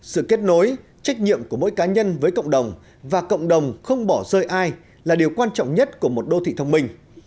sự kết nối trách nhiệm của mỗi cá nhân với cộng đồng và cộng đồng không bỏ rơi ai là điều quan trọng nhất của một đô thị thông minh